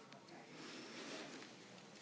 ครับ